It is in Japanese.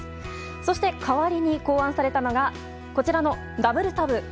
そして代わりに考案されたのがこちらのダブルタブ。